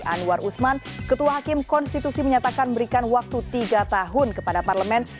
anwar usman ketua hakim konstitusi menyatakan memberikan waktu tiga tahun kepada parlemen